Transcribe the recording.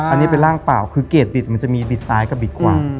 อันนี้เป็นร่างเปล่าคือเกรดบิดมันจะมีบิดซ้ายกับบิดขวา